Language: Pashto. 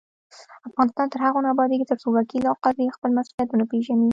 افغانستان تر هغو نه ابادیږي، ترڅو وکیل او قاضي خپل مسؤلیت ونه پیژني.